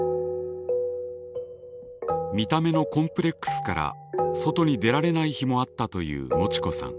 見た目のコンプレックスから外に出られない日もあったというもちこさん。